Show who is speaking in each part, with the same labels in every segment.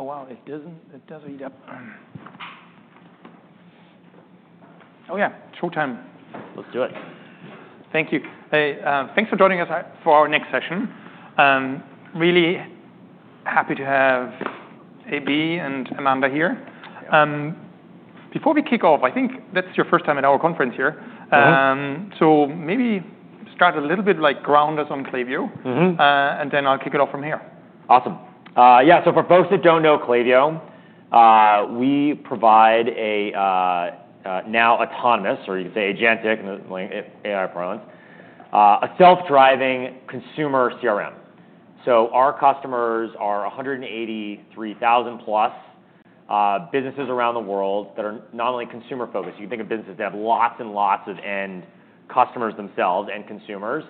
Speaker 1: Oh, wow. It doesn't heat up. Oh, yeah. Showtime.
Speaker 2: Let's do it.
Speaker 1: Thank you. Hey, thanks for joining us for our next session. Really happy to have AB and Amanda here. Before we kick off, I think that's your first time at our conference here. So maybe start a little bit like ground us on Klaviyo, and then I'll kick it off from here.
Speaker 2: Awesome. Yeah, so for folks that don't know Klaviyo, we provide a, now autonomous, or you could say agentic, like AI parlance, a self-driving consumer CRM. So our customers are 183,000+ businesses around the world that are not only consumer-focused. You can think of businesses that have lots and lots of end customers themselves and consumers,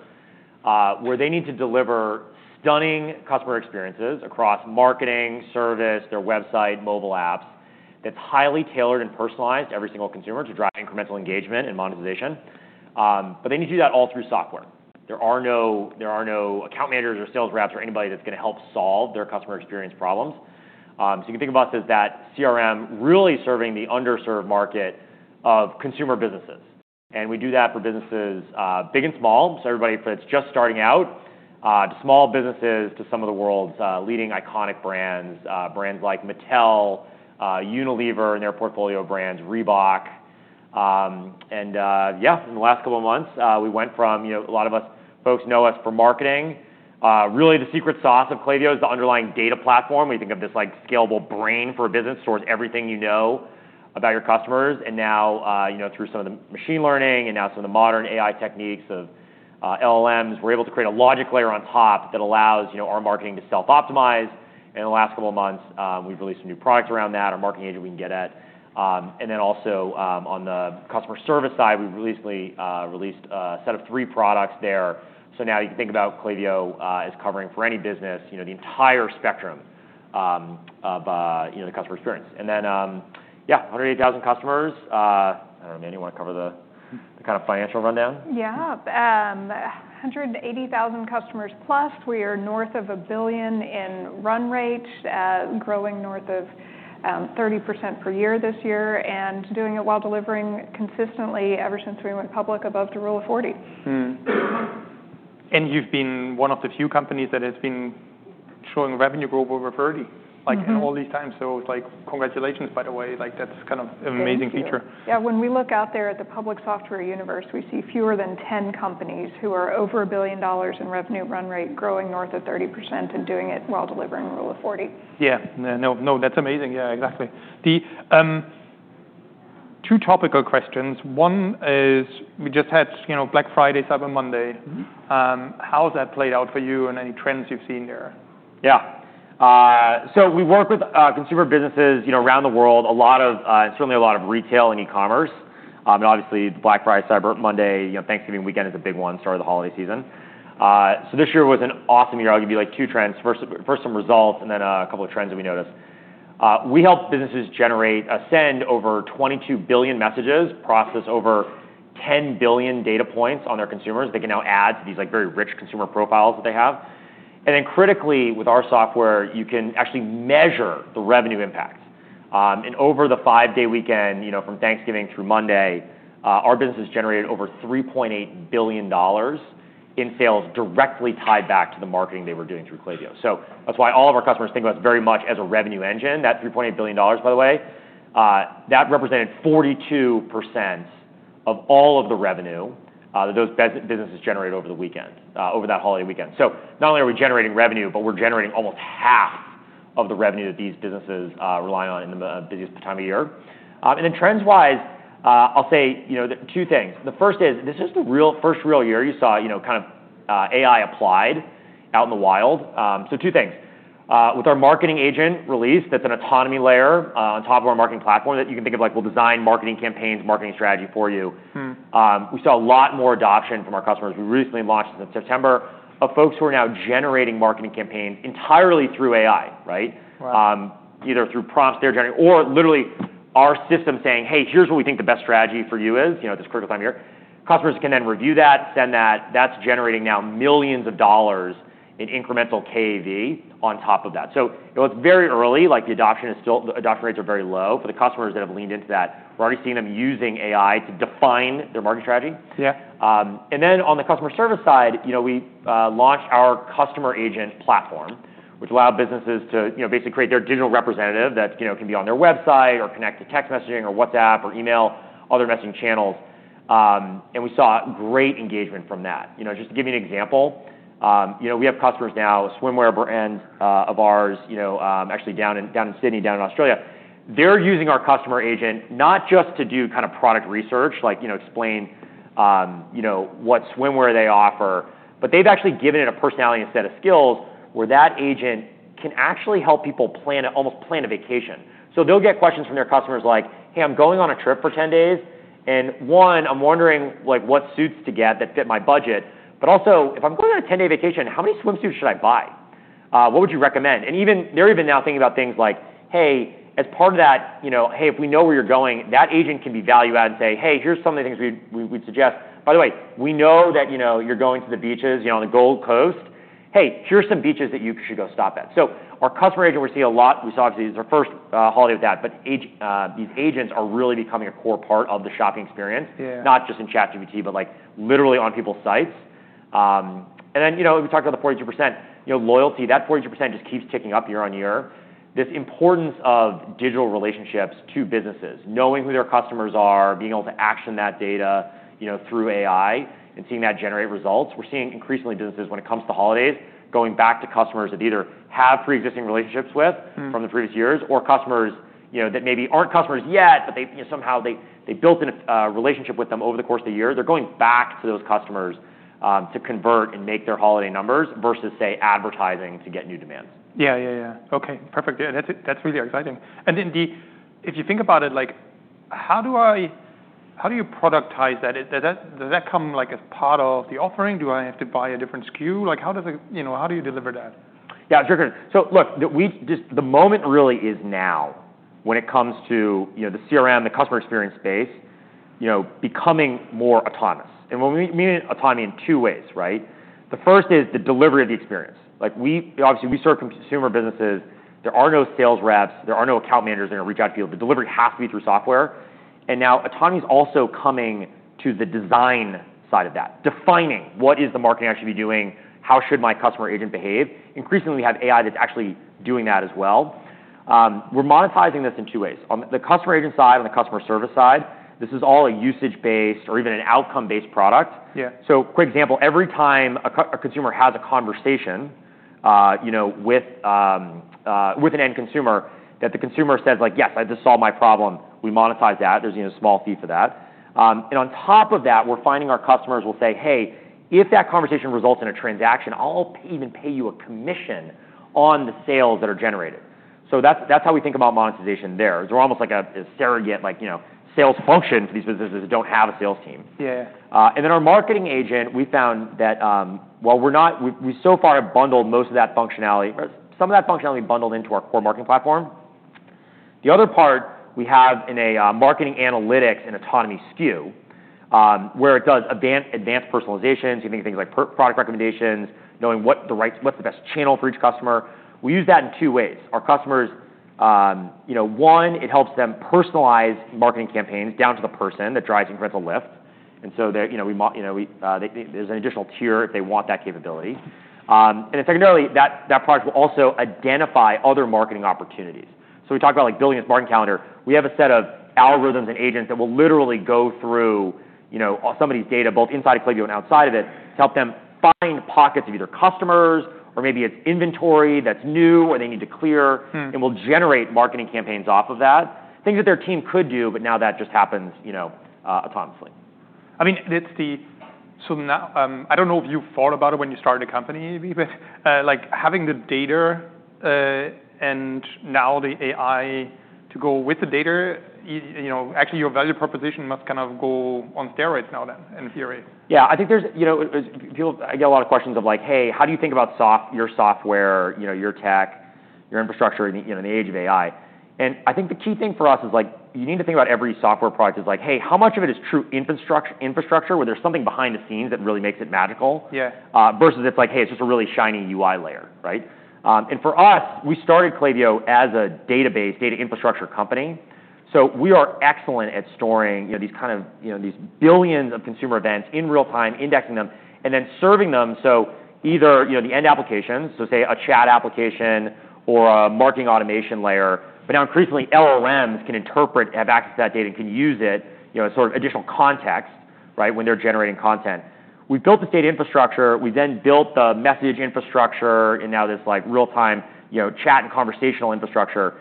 Speaker 2: where they need to deliver stunning customer experiences across marketing, service, their website, mobile apps. That's highly tailored and personalized to every single consumer to drive incremental engagement and monetization. But they need to do that all through software. There are no, there are no account managers or sales reps or anybody that's gonna help solve their customer experience problems. So you can think of us as that CRM really serving the underserved market of consumer businesses, and we do that for businesses, big and small. So everybody from those just starting out, to small businesses, to some of the world's leading iconic brands, brands like Mattel, Unilever and their portfolio brands, Reebok, and yeah, in the last couple of months, we went from, you know, a lot of us folks know us for marketing. Really the secret sauce of Klaviyo is the underlying data platform. We think of this like scalable brain for a business, stores everything you know about your customers, and now, you know, through some of the machine learning and now some of the modern AI techniques of LLMs, we're able to create a logic layer on top that allows, you know, our marketing to self-optimize, and in the last couple of months, we've released a new product around that, our Marketing Agent we can get at. And then also, on the customer service side, we recently released a set of three products there. So now you can think about Klaviyo as covering for any business, you know, the entire spectrum of, you know, the customer experience, and then, yeah, 180,000 customers. Amanda, you wanna cover the kind of financial rundown?
Speaker 3: Yeah. 180,000 customers plus we are north of a billion in run rate, growing north of 30% per year this year and doing it while delivering consistently ever since we went public above the Rule of 40.
Speaker 1: You've been one of the few companies that has been showing revenue growth over 30%, like, in all these times, so it's like, congratulations, by the way. Like, that's kind of an amazing feature.
Speaker 3: Yeah. When we look out there at the public software universe, we see fewer than 10 companies who are over billion dollars in revenue run rate, growing north of 30% and doing it while delivering Rule of 40.
Speaker 1: Yeah. No, no, that's amazing. Yeah, exactly. The two topical questions. One is we just had, you know, Black Friday, Cyber Monday. How's that played out for you and any trends you've seen there?
Speaker 2: Yeah. We work with consumer businesses, you know, around the world, a lot of, certainly a lot of retail and e-commerce. Obviously the Black Friday Cyber Monday, you know, Thanksgiving weekend is a big one, start of the holiday season. This year was an awesome year. I'll give you like two trends. First, some results and then a couple of trends that we noticed. We help businesses generate, sent over 22 billion messages, process over 10 billion data points on their consumers. They can now add to these like very rich consumer profiles that they have. Then critically, with our software, you can actually measure the revenue impact. Over the five-day weekend, you know, from Thanksgiving through Monday, our business has generated over $3.8 billion in sales directly tied back to the marketing they were doing through Klaviyo. So that's why all of our customers think of us very much as a revenue engine. That $3.8 billion, by the way, that represented 42% of all of the revenue, that those businesses generated over the weekend, over that holiday weekend. So not only are we generating revenue, but we're generating almost half of the revenue that these businesses rely on in the busiest time of year. And then trends-wise, I'll say, you know, two things. The first is this is the real first year you saw, you know, kind of, AI applied out in the wild. So two things. With our Marketing Agent released, that's an autonomy layer on top of our marketing platform that you can think of like, we'll design marketing campaigns, marketing strategy for you. We saw a lot more adoption from our customers. We recently launched in September of folks who are now generating marketing campaigns entirely through AI, right?
Speaker 1: Right.
Speaker 2: Either through prompts they're generating or literally our system saying, "Hey, here's what we think the best strategy for you is," you know, at this critical time of year. Customers can then review that, send that. That's generating now millions of dollars in incremental KAV on top of that. So, you know, it's very early, like, the adoption is still, adoption rates are very low for the customers that have leaned into that. We're already seeing them using AI to define their market strategy.
Speaker 1: Yeah.
Speaker 2: And then on the customer service side, you know, we launched our Customer Agent platform, which allowed businesses to, you know, basically create their digital representative that, you know, can be on their website or connect to text messaging or WhatsApp or email, other messaging channels. And we saw great engagement from that. You know, just to give you an example, you know, we have customers now, a swimwear brand of ours, you know, actually down in Sydney, down in Australia. They're using our Customer Agent not just to do kind of product research, like, you know, explain, you know, what swimwear they offer, but they've actually given it a personality and set of skills where that agent can actually help people plan a, almost plan a vacation. So they'll get questions from their customers like, "Hey, I'm going on a trip for 10 days, and one, I'm wondering, like, what suits to get that fit my budget? But also, if I'm going on a 10-day vacation, how many swimsuits should I buy? What would you recommend?" And even they're now thinking about things like, "Hey, as part of that, you know, hey, if we know where you're going, that agent can be valued and say, 'Hey, here's some of the things we'd suggest. By the way, we know that, you know, you're going to the beaches, you know, on the Gold Coast. Hey, here's some beaches that you should go stop at.'" So our customer agent, we're seeing a lot. We saw, obviously. It's our first holiday with that, but these agents are really becoming a core part of the shopping experience.
Speaker 1: Yeah.
Speaker 2: Not just in ChatGPT, but like literally on people's sites, and then, you know, we talked about the 42%, you know, loyalty, that 42% just keeps ticking up year-on-year. This importance of digital relationships to businesses, knowing who their customers are, being able to action that data, you know, through AI and seeing that generate results. We're seeing increasingly, businesses, when it comes to holidays, going back to customers that either have pre-existing relationships with. From the previous years or customers, you know, that maybe aren't customers yet, but they, you know, somehow they built a relationship with them over the course of the year. They're going back to those customers, to convert and make their holiday numbers versus, say, advertising to get new demands.
Speaker 1: Yeah, yeah, yeah. Okay. Perfect. Yeah. That's, that's really exciting. And then, if you think about it, like, how do I, how do you productize that? Does that, does that come like as part of the offering? Do I have to buy a different SKU? Like, how does it, you know, how do you deliver that?
Speaker 2: Yeah. Sure. Look, the moment really is now when it comes to, you know, the CRM, the customer experience space, you know, becoming more autonomous. And when we mean autonomy in two ways, right? The first is the delivery of the experience. Like, we obviously serve consumer businesses. There are no sales reps. There are no account managers that are gonna reach out to you. The delivery has to be through software. And now autonomy's also coming to the design side of that, defining what is the marketing actually be doing? How should my customer agent behave? Increasingly, we have AI that's actually doing that as well. We're monetizing this in two ways. On the customer agent side and the customer service side, this is all a usage-based or even an outcome-based product.
Speaker 1: Yeah.
Speaker 2: So, quick example. Every time a consumer has a conversation, you know, with an end consumer that the consumer says, like, "Yes, I just solved my problem." We monetize that. There's, you know, a small fee for that, and on top of that, we're finding our customers will say, "Hey, if that conversation results in a transaction, I'll even pay you a commission on the sales that are generated." So that's how we think about monetization there. We're almost like a surrogate, like, you know, sales function for these businesses that don't have a sales team.
Speaker 1: Yeah.
Speaker 2: And then our Marketing Agent, we found that, while we're not, we so far have bundled most of that functionality, or some of that functionality bundled into our core marketing platform. The other part we have in Marketing Analytics and autonomy SKU, where it does advanced personalizations, you think of things like per product recommendations, knowing what's the best channel for each customer. We use that in two ways. Our customers, you know, one, it helps them personalize marketing campaigns down to the person that drives incremental lift. And so they, you know, they, there's an additional tier if they want that capability. And then secondarily, that product will also identify other marketing opportunities. So we talk about like building this marketing calendar. We have a set of algorithms and agents that will literally go through, you know, somebody's data both inside of Klaviyo and outside of it to help them find pockets of either customers or maybe it's inventory that's new or they need to clear, and we'll generate marketing campaigns off of that. Things that their team could do, but now that just happens, you know, autonomously.
Speaker 1: I mean, it's, so now, I don't know if you thought about it when you started the company, like having the data, and now the AI to go with the data, you know, actually your value proposition must kind of go on steroids now then, in theory.
Speaker 2: Yeah. I think there's, you know, it was people. I get a lot of questions like, "Hey, how do you think about software, you know, your tech, your infrastructure in the, you know, in the age of AI?" And I think the key thing for us is like, you need to think about every software product is like, "Hey, how much of it is true infrastructure where there's something behind the scenes that really makes it magical?
Speaker 1: Yeah.
Speaker 2: Versus it's like, "Hey, It's just a really shiny UI layer," right? And for us, we started Klaviyo as a database, data infrastructure company. So we are excellent at storing, you know, these kind of, you know, these billions of consumer events in real time, indexing them, and then serving them. So either, you know, the end applications, so say a chat application or a marketing automation layer, but now increasingly LLMs can interpret, have access to that data and can use it, you know, as sort of additional context, right, when they're generating content. We built this data infrastructure. We then built the message infrastructure and now this like real time, you know, chat and conversational infrastructure.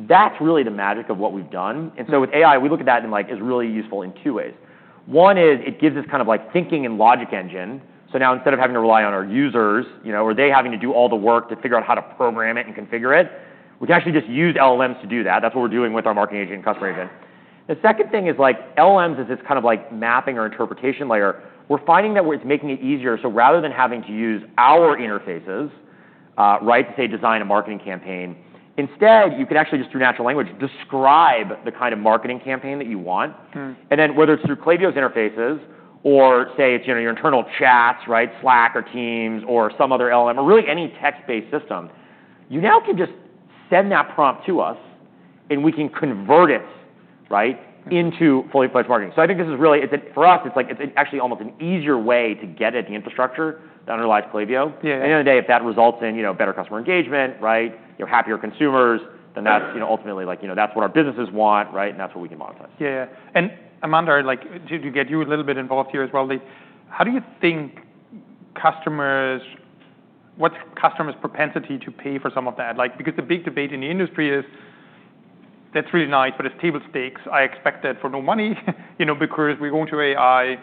Speaker 2: That's really the magic of what we've done. And so with AI, we look at that and like, is really useful in two ways. One is, it gives us kind of like thinking and logic engine. So now instead of having to rely on our users, you know, or they having to do all the work to figure out how to program it and configure it, we can actually just use LLMs to do that. That's what we're doing with our Marketing Agent and Customer Agent. The second thing is like, LLMs is this kind of like mapping or interpretation layer. We're finding that it's making it easier. So rather than having to use our interfaces, right, to say design a marketing campaign, instead you can actually just through natural language describe the kind of marketing campaign that you want. And then whether it's through Klaviyo's interfaces or say it's, you know, your internal chats, right, Slack or Teams or some other LLM or really any text-based system, you now can just send that prompt to us and we can convert it, right, into fully fledged marketing. So I think this is really, it's a, for us, it's like, it's actually almost an easier way to get at the infrastructure that underlies Klaviyo.
Speaker 1: Yeah.
Speaker 2: At the end of the day, if that results in, you know, better customer engagement, right, you know, happier consumers, then that's, you know, ultimately like, you know, that's what our businesses want, right, and that's what we can monetize.
Speaker 1: Yeah, yeah. And Amanda, like, to get you a little bit involved here as well, how do you think customers, what's customers' propensity to pay for some of that? Like, because the big debate in the industry is that's really nice, but it's table stakes. I expect that for no money, you know, because we're going to AI,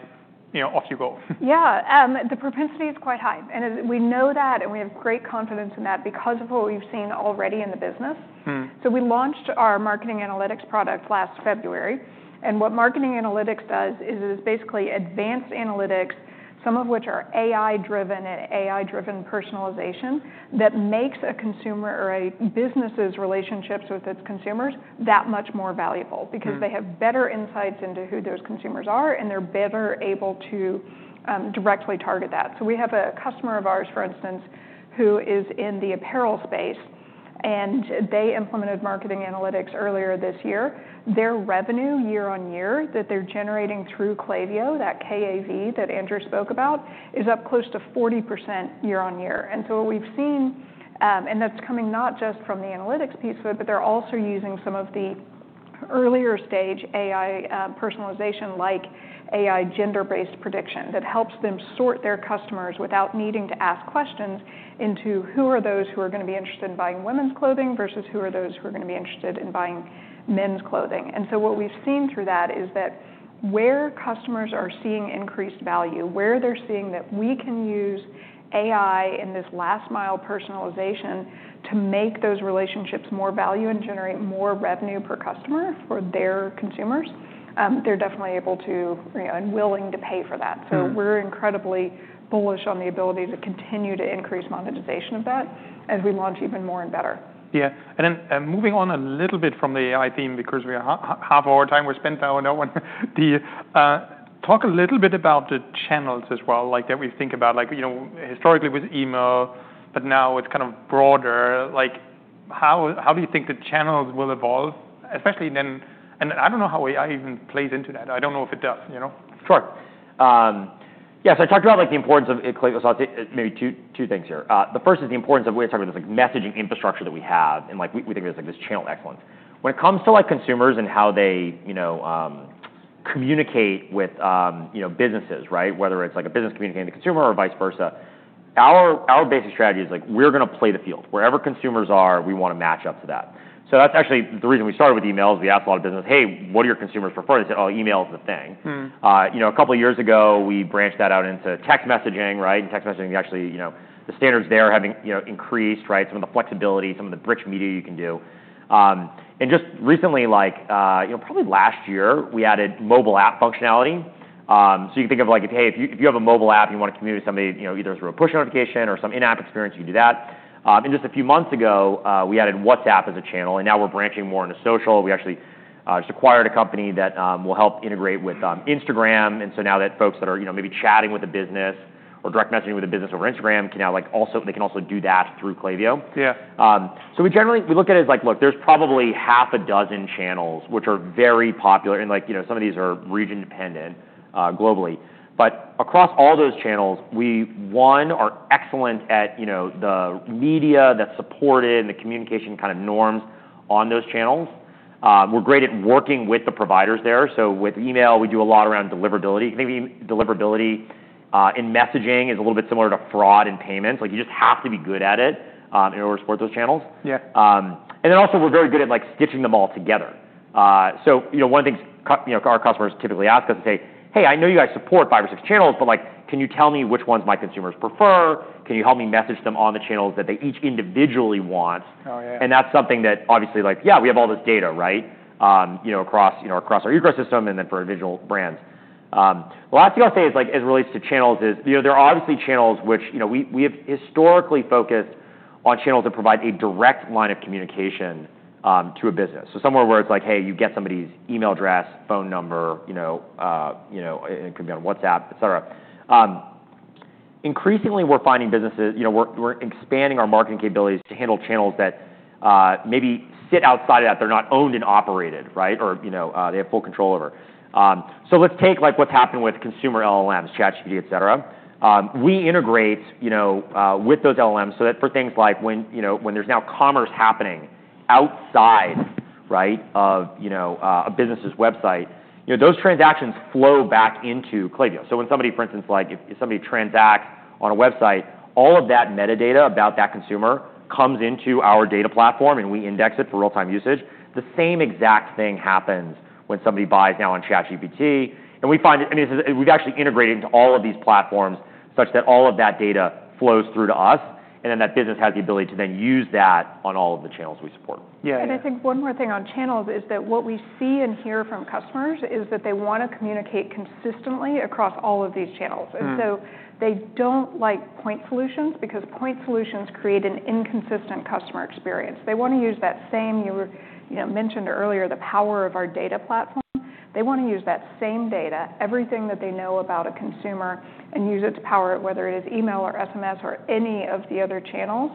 Speaker 1: you know, off you go.
Speaker 3: Yeah. The propensity is quite high, and as we know that and we have great confidence in that because of what we've seen already in the business, so we launched our Marketing Analytics product last February, and what Marketing Analytics does is it is basically advanced analytics, some of which are AI-driven and AI-driven personalization that makes a consumer or a business's relationships with its consumers that much more valuable because they have better insights into who those consumers are and they're better able to directly target that. So we have a customer of ours, for instance, who is in the apparel space, and they implemented Marketing Analytics earlier this year. Their revenue year-on-year that they're generating through Klaviyo, that KAV that Andrew spoke about, is up close to 40% year-on-year. And so what we've seen, and that's coming not just from the analytics piece, but they're also using some of the earlier stage AI personalization, like AI gender-based prediction that helps them sort their customers without needing to ask questions into who are those who are gonna be interested in buying women's clothing versus who are those who are gonna be interested in buying men's clothing. And so what we've seen through that is that where customers are seeing increased value, where they're seeing that we can use AI in this last mile personalization to make those relationships more value and generate more revenue per customer for their consumers, they're definitely able to, you know, and willing to pay for that. So we're incredibly bullish on the ability to continue to increase monetization of that as we launch even more and better.
Speaker 1: Yeah, and then, moving on a little bit from the AI theme because we are half our time we're spent now on that one, talk a little bit about the channels as well, like that we think about, like, you know, historically with email, but now it's kind of broader. Like, how do you think the channels will evolve, especially then, and I don't know how AI even plays into that. I don't know if it does, you know?
Speaker 2: Sure. Yeah, so I talked about like the importance of Klaviyo's maybe two, two things here. The first is the importance of we talk about this like messaging infrastructure that we have and like we think there's like this channel excellence. When it comes to like consumers and how they, you know, communicate with, you know, businesses, right, whether it's like a business communicating with the consumer or vice versa, our basic strategy is like, we're gonna play the field. Wherever consumers are, we wanna match up to that. So that's actually the reason we started with emails. We asked a lot of business, "Hey, what do your consumers prefer?" They said, "Oh, email's the thing." You know, a couple of years ago, we branched that out into text messaging, right? And text messaging, we actually, you know, the standards there are having, you know, increased, right, some of the flexibility, some of the rich media you can do. And just recently, like, you know, probably last year, we added mobile app functionality. So you can think of like if, hey, if you have a mobile app and you wanna communicate with somebody, you know, either through a push notification or some in-app experience, you can do that. And just a few months ago, we added WhatsApp as a channel, and now we're branching more into social. We actually just acquired a company that will help integrate with Instagram. And so now that folks that are, you know, maybe chatting with a business or direct messaging with a business over Instagram can now like also, they can also do that through Klaviyo.
Speaker 1: Yeah.
Speaker 2: So we generally, we look at it as like, look, there's probably half a dozen channels which are very popular and like, you know, some of these are region-dependent, globally. But across all those channels, we one are excellent at, you know, the media that's supported and the communication kind of norms on those channels. We're great at working with the providers there. So with email, we do a lot around deliverability. I think we deliverability, in messaging is a little bit similar to fraud and payments. Like, you just have to be good at it, in order to support those channels.
Speaker 1: Yeah.
Speaker 2: And then also we're very good at like stitching them all together. So, you know, one of the things you know, our customers typically ask us and say, "Hey, I know you guys support five or six channels, but like, can you tell me which ones my consumers prefer? Can you help me message them on the channels that they each individually want?
Speaker 1: Oh, yeah.
Speaker 2: And that's something that obviously like, yeah, we have all this data, right, you know, across, you know, across our ecosystem and then for individual brands. The last thing I'll say is like, as it relates to channels is, you know, there are obviously channels which, you know, we, we have historically focused on channels that provide a direct line of communication to a business. So somewhere where it's like, "Hey, you get somebody's email address, phone number, you know, you know, it could be on WhatsApp," et cetera. Increasingly, we're finding businesses, you know, we're, we're expanding our marketing capabilities to handle channels that, maybe sit outside of that. They're not owned and operated, right, or, you know, they have full control over. So let's take like what's happened with consumer LLMs, ChatGPT, et cetera. We integrate, you know, with those LLMs so that for things like when, you know, when there's now commerce happening outside, right, of, you know, a business's website, you know, those transactions flow back into Klaviyo. So when somebody, for instance, like if, if somebody transacts on a website, all of that metadata about that consumer comes into our data platform and we index it for real-time usage. The same exact thing happens when somebody buys now on ChatGPT, and we find it, I mean, this is, we've actually integrated into all of these platforms such that all of that data flows through to us, and then that business has the ability to then use that on all of the channels we support.
Speaker 1: Yeah, yeah.
Speaker 3: I think one more thing on channels is that what we see and hear from customers is that they wanna communicate consistently across all of these channels. And so they don't like point solutions because point solutions create an inconsistent customer experience. They wanna use that same, you were, you know, mentioned earlier, the power of our data platform. They wanna use that same data, everything that they know about a consumer, and use it to power it, whether it is email or SMS or any of the other channels.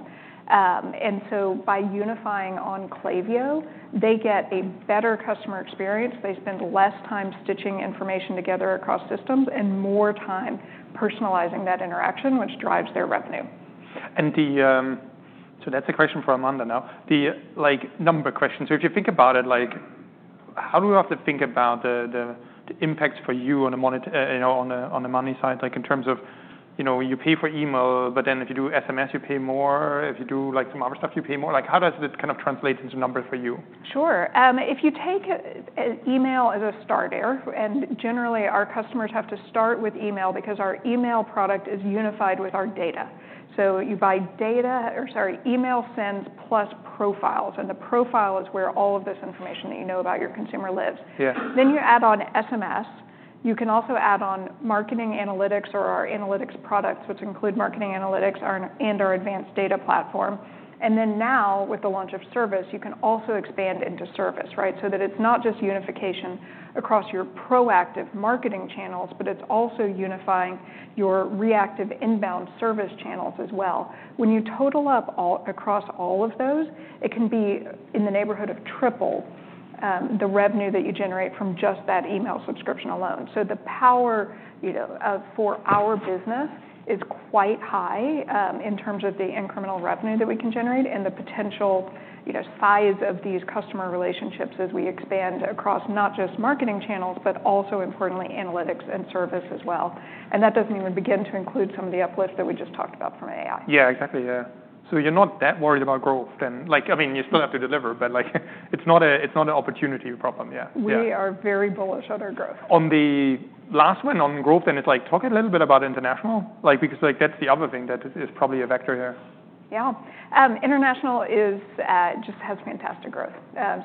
Speaker 3: And so by unifying on Klaviyo, they get a better customer experience. They spend less time stitching information together across systems and more time personalizing that interaction, which drives their revenue.
Speaker 1: That's a question for Amanda now, the like number question. So if you think about it, like, how do we have to think about the impact for you on the monetization, you know, on the money side, like in terms of, you know, you pay for email, but then if you do SMS, you pay more. If you do like some other stuff, you pay more. Like, how does this kind of translate into numbers for you?
Speaker 3: Sure. If you take a email as a starter, and generally our customers have to start with email because our email product is unified with our data. So you buy data or, sorry, email sends plus profiles, and the profile is where all of this information that you know about your consumer lives.
Speaker 1: Yeah.
Speaker 3: Then you add on SMS. You can also add on marketing analytics or our analytics products, which include marketing analytics and our advanced data platform. And then now with the launch of service, you can also expand into service, right, so that it's not just unification across your proactive marketing channels, but it's also unifying your reactive inbound service channels as well. When you total up across all of those, it can be in the neighborhood of triple the revenue that you generate from just that email subscription alone. So the power, you know, for our business is quite high in terms of the incremental revenue that we can generate and the potential, you know, size of these customer relationships as we expand across not just marketing channels, but also importantly, analytics and service as well. That doesn't even begin to include some of the uplift that we just talked about from AI.
Speaker 1: Yeah, exactly. Yeah. So you're not that worried about growth then. Like, I mean, you still have to deliver, but like, it's not an opportunity problem. Yeah.
Speaker 3: We are very bullish on our growth.
Speaker 1: On the last one on growth, then it's like, talk a little bit about international, like, because like that's the other thing that is probably a vector here.
Speaker 3: Yeah. International is just has fantastic growth,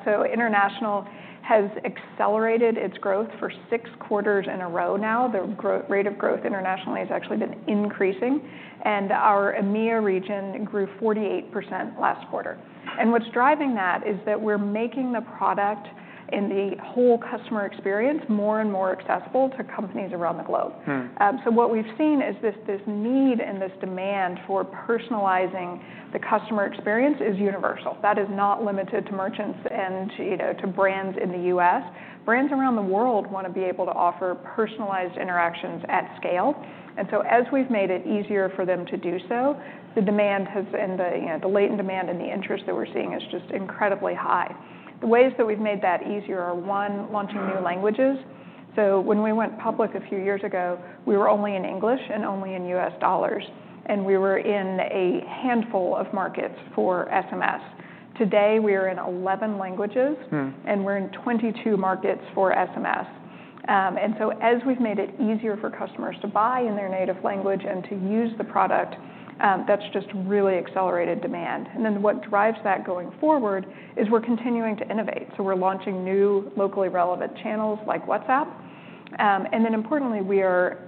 Speaker 3: so international has accelerated its growth for six quarters in a row now. The growth rate of growth internationally has actually been increasing, and our EMEA region grew 48% last quarter, and what's driving that is that we're making the product and the whole customer experience more and more accessible to companies around the globe, so what we've seen is this, this need and this demand for personalizing the customer experience is universal. That is not limited to merchants and, you know, to brands in the US. Brands around the world wanna be able to offer personalized interactions at scale, and so as we've made it easier for them to do so, the demand has and the, you know, the latent demand and the interest that we're seeing is just incredibly high. The ways that we've made that easier are one, launching new languages. So when we went public a few years ago, we were only in English and only in U.S. dollars, and we were in a handful of markets for SMS. Today, we are in 11 languages, and we're in 22 markets for SMS. And so as we've made it easier for customers to buy in their native language and to use the product, that's just really accelerated demand. And then what drives that going forward is we're continuing to innovate. So we're launching new locally relevant channels like WhatsApp. And then importantly, we are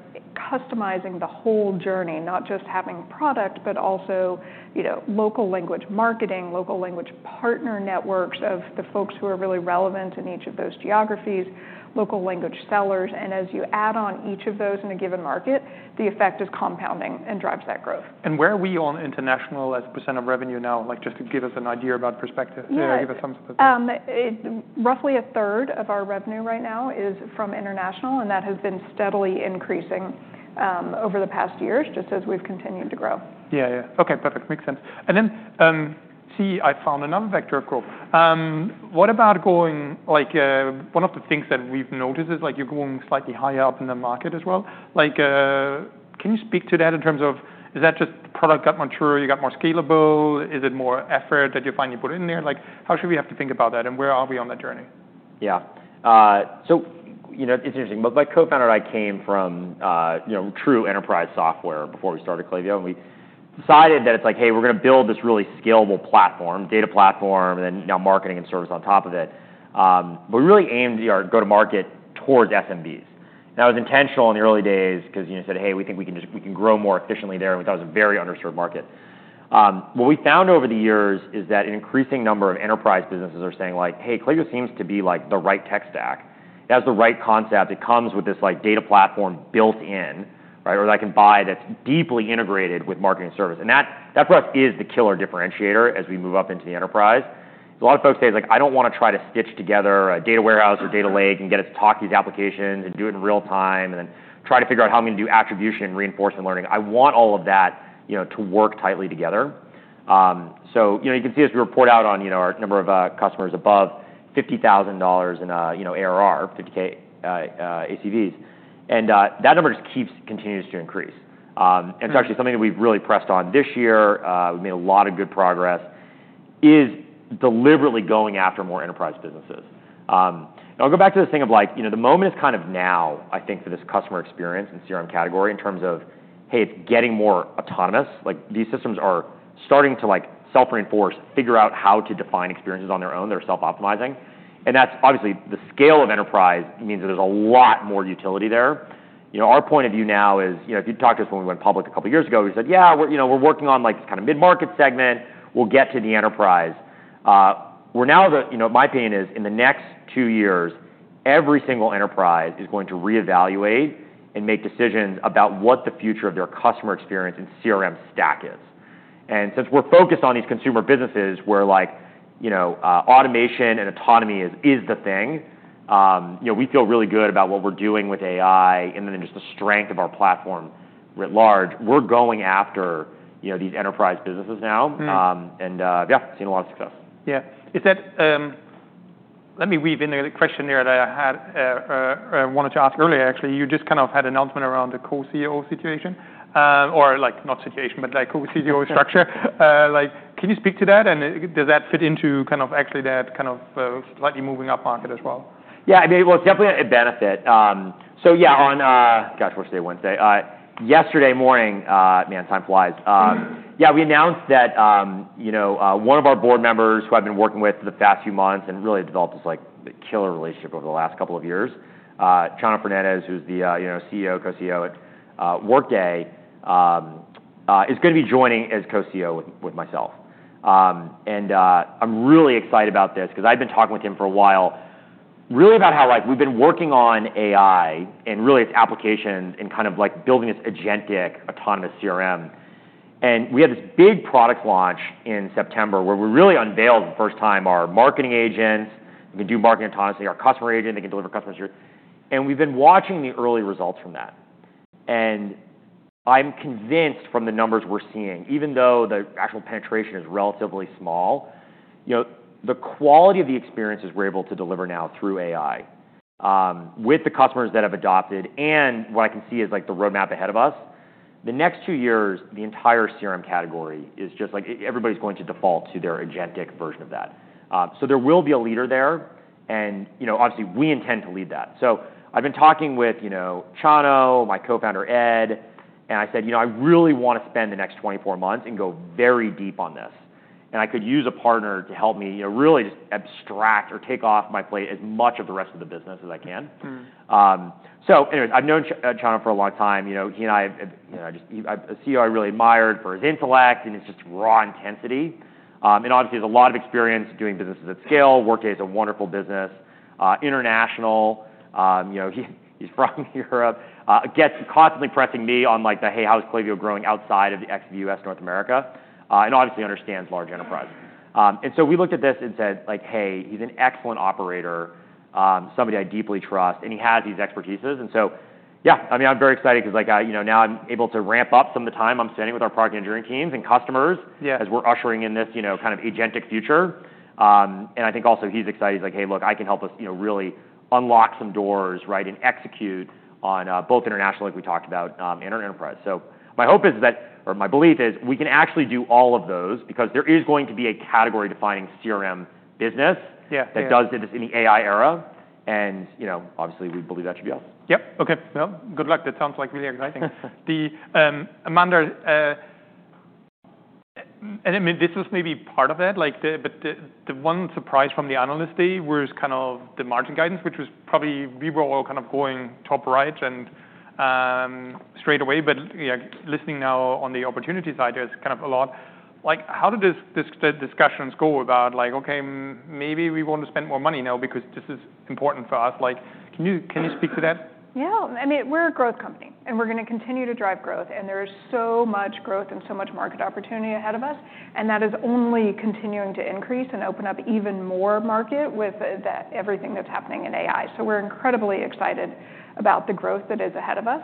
Speaker 3: customizing the whole journey, not just having product, but also, you know, local language marketing, local language partner networks of the folks who are really relevant in each of those geographies, local language sellers. And as you add on each of those in a given market, the effect is compounding and drives that growth.
Speaker 1: Where are we on international as a percent of revenue now? Like, just to give us an idea about perspective.
Speaker 3: Yeah.
Speaker 1: Yeah, give us some sort of.
Speaker 3: It's roughly a third of our revenue right now is from international, and that has been steadily increasing over the past years just as we've continued to grow.
Speaker 1: Yeah, yeah. Okay. Perfect. Makes sense, and then, see, I found another vector of growth. What about going, like, one of the things that we've noticed is like you're going slightly higher up in the market as well. Like, can you speak to that in terms of, is that just the product got more mature? You got more scalable? Is it more effort that you finally put in there? Like, how should we have to think about that? And where are we on that journey?
Speaker 2: Yeah, so you know, it's interesting, but my co-founder and I came from, you know, true enterprise software before we started Klaviyo, and we decided that it's like, hey, we're gonna build this really scalable platform, data platform, and then now marketing and service on top of it, but we really aimed our go-to-market towards SMBs. That was intentional in the early days 'cause, you know, said, hey, we think we can just, we can grow more efficiently there, and we thought it was a very underserved market. What we found over the years is that an increasing number of enterprise businesses are saying like, hey, Klaviyo seems to be like the right tech stack. That was the right concept. It comes with this like data platform built in, right, or that I can buy that's deeply integrated with marketing service. That for us is the killer differentiator as we move up into the enterprise. A lot of folks say it's like, I don't wanna try to stitch together a data warehouse or data lake and get it to talk to these applications and do it in real time and then try to figure out how I'm gonna do attribution and reinforcement learning. I want all of that, you know, to work tightly together, so you know, you can see as we report out on, you know, our number of customers above $50,000 in, you know, ARR, 50K ACVs, and that number just continues to increase. It's actually something that we've really pressed on this year. We've made a lot of good progress is deliberately going after more enterprise businesses. And I'll go back to this thing of like, you know, the moment is kind of now, I think, for this customer experience and CRM category in terms of, hey, it's getting more autonomous. Like, these systems are starting to like self-reinforce, figure out how to define experiences on their own. They're self-optimizing. And that's obviously the scale of enterprise means that there's a lot more utility there. You know, our point of view now is, you know, if you'd talked to us when we went public a couple of years ago, we said, yeah, we're, you know, we're working on like this kind of mid-market segment. We'll get to the enterprise. We're now the, you know, my opinion is in the next two years, every single enterprise is going to reevaluate and make decisions about what the future of their customer experience and CRM stack is. And since we're focused on these consumer businesses where like, you know, automation and autonomy is the thing, you know, we feel really good about what we're doing with AI and then just the strength of our platform writ large. We're going after, you know, these enterprise businesses now.and, yeah, seen a lot of success.
Speaker 1: Yeah. Is that, let me weave in the question there that I had, wanted to ask earlier, actually. You just kind of had an announcement around the co-CEO situation, or like not situation, but like co-CEO structure. Like, can you speak to that? And does that fit into kind of actually that kind of, slightly moving up market as well?
Speaker 2: Yeah. I mean, well, it's definitely a benefit, so yeah, on, gosh, what's today? Wednesday. Yesterday morning, man, time flies. Yeah, we announced that, you know, one of our board members who I've been working with for the past few months and really developed this like killer relationship over the last couple of years, Chano Fernandez, who's the, you know, CEO, co-CEO at Workday, is gonna be joining as co-CEO with myself. I'm really excited about this 'cause I've been talking with him for a while really about how like we've been working on AI and really its applications and kind of like building this agentic autonomous CRM. We had this big product launch in September where we really unveiled for the first time our Marketing Agents. We can do marketing autonomously, our Customer Agent, they can deliver customer service. We've been watching the early results from that. And I'm convinced from the numbers we're seeing, even though the actual penetration is relatively small, you know, the quality of the experiences we're able to deliver now through AI, with the customers that have adopted and what I can see is like the roadmap ahead of us, the next two years, the entire CRM category is just like everybody's going to default to their agentic version of that. So there will be a leader there, and, you know, obviously we intend to lead that. So I've been talking with, you know, Chano, my co-founder Ed, and I said, you know, I really wanna spend the next 24 months and go very deep on this. And I could use a partner to help me, you know, really just abstract or take off my plate as much of the rest of the business as I can. So anyways, I've known Chano for a long time. You know, he and I, you know, I just, he's a CEO I really admired for his intellect and his just raw intensity. And obviously he has a lot of experience doing businesses at scale. Workday is a wonderful business, international, you know, he's from Europe, gets constantly pressing me on like the, hey, how is Klaviyo growing outside of the ex-U.S., North America? And obviously understands large enterprise. And so we looked at this and said like, hey, he's an excellent operator, somebody I deeply trust, and he has these expertise. And so yeah, I mean, I'm very excited 'cause like, you know, now I'm able to ramp up some of the time I'm spending with our product engineering teams and customers.
Speaker 1: Yeah.
Speaker 2: As we're ushering in this, you know, kind of agentic future, and I think also he's excited. He's like, hey, look, I can help us, you know, really unlock some doors, right, and execute on both international like we talked about, and our enterprise. So my hope is that, or my belief is we can actually do all of those because there is going to be a category-defining CRM business.
Speaker 1: Yeah.
Speaker 2: That does this in the AI era, and, you know, obviously we believe that should be us.
Speaker 1: Yep. Okay. Well, good luck. That sounds like really exciting. Amanda, and I mean, this was maybe part of that, like, but the one surprise from the Analyst Day was kind of the margin guidance, which was probably we were all kind of going top right and straight away, but yeah, listening now on the opportunity side is kind of a lot. Like, how did this discussions go about like, okay, maybe we wanna spend more money now because this is important for us? Like, can you speak to that?
Speaker 3: Yeah. I mean, we're a growth company, and we're gonna continue to drive growth. And there is so much growth and so much market opportunity ahead of us, and that is only continuing to increase and open up even more market with that everything that's happening in AI. So we're incredibly excited about the growth that is ahead of us.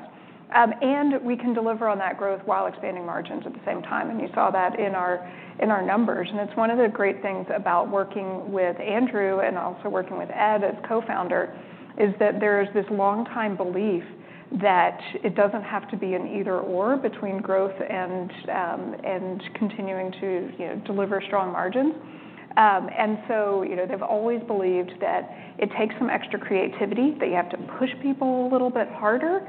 Speaker 3: And we can deliver on that growth while expanding margins at the same time. And you saw that in our numbers. And it's one of the great things about working with Andrew and also working with Ed as co-founder is that there is this longtime belief that it doesn't have to be an either/or between growth and continuing to, you know, deliver strong margins. And so, you know, they've always believed that it takes some extra creativity, that you have to push people a little bit harder,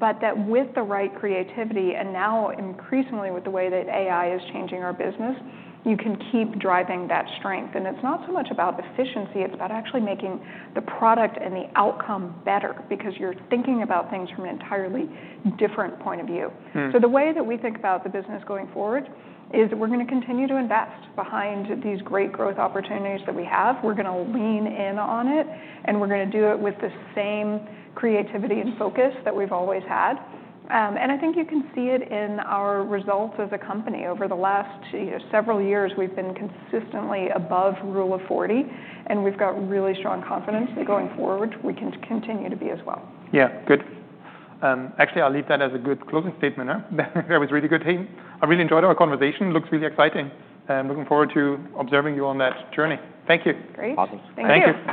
Speaker 3: but that with the right creativity and now increasingly with the way that AI is changing our business, you can keep driving that strength. And it's not so much about efficiency. It's about actually making the product and the outcome better because you're thinking about things from an entirely different point of view. So the way that we think about the business going forward is we're gonna continue to invest behind these great growth opportunities that we have. We're gonna lean in on it, and we're gonna do it with the same creativity and focus that we've always had. And I think you can see it in our results as a company. Over the last, you know, several years, we've been consistently above Rule of 40, and we've got really strong confidence that going forward we can continue to be as well.
Speaker 1: Yeah. Good. Actually, I'll leave that as a good closing statement, huh? That was really good, team. I really enjoyed our conversation. Looks really exciting. Looking forward to observing you on that journey. Thank you.
Speaker 3: Great.
Speaker 2: Awesome.
Speaker 1: Thank you.